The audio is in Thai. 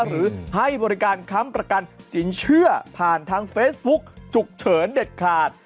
หรือให้บริการค้ำประกันสินเชื่อผ่านทางเฟซบุ๊กฉุกเฉินเด็ดขาด